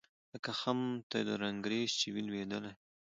لکه خُم ته د رنګرېز چي وي لوېدلی